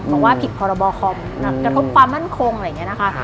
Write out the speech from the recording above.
บอกว่าผิดพรบคอมกระทบความมั่นคงอะไรอย่างนี้นะคะ